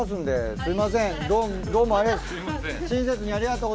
すいません。